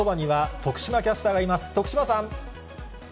徳島さん。